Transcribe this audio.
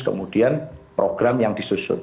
kemudian program yang disusun